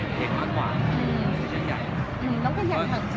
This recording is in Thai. ก็ทำให้มันเป็นเรื่องใหญ่